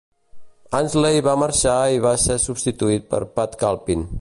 Ansley va marxar i va ser substituït per Pat Calpin.